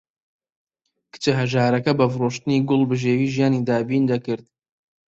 کچە هەژارەکە بە فرۆشتنی گوڵ بژێوی ژیانی دابین دەکرد.